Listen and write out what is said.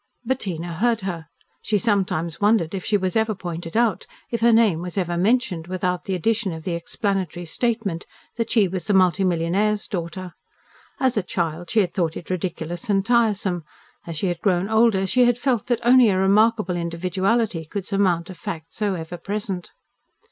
Bettina heard her. She sometimes wondered if she was ever pointed out, if her name was ever mentioned without the addition of the explanatory statement that she was the multi millionaire's daughter. As a child she had thought it ridiculous and tiresome, as she had grown older she had felt that only a remarkable individuality could surmount a fact so ever present.